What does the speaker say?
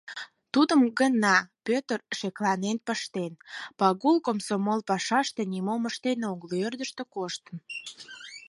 Тудым гына Пӧтыр шекланен пыштен: Пагул комсомол пашаште нимом ыштен огыл, ӧрдыжтӧ коштын.